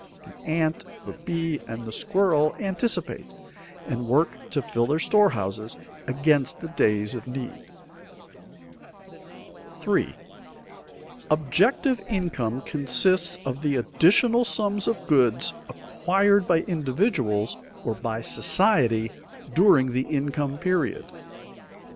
The ant, the bee, and the squirrel anticipate, and work to fill their storehouses against the days of need. [Sidenote: Social and private incomes] 3. _Objective income consists of the additional sums of goods acquired by individuals or by society during the income period.